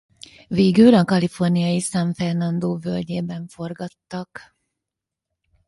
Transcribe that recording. Végül a kaliforniai San Fernando völgyben forgattak.